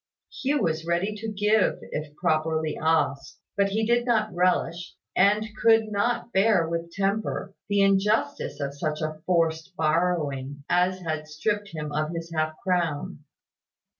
Hugh was ready to give if properly asked; but he did not relish, and could not bear with temper, the injustice of such a forced borrowing as had stripped him of his half crown.